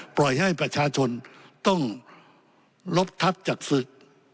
ปล่อยให้ประชาชนต้องลบทับจัดฝึก